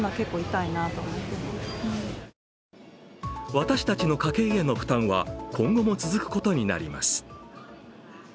私たちの家計への負担は今後も続くことになります。